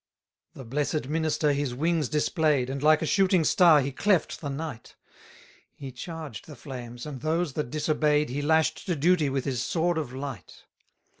272 The blessed minister his wings display'd, And like a shooting star he cleft the night: He charged the flames, and those that disobey'd He lash'd to duty with his sword of light.